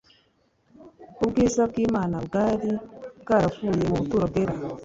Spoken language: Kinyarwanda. Ubwiza bw'Imana bwari bwaravuye mu buturo bwera,